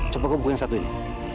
coba kubuk yang satu ini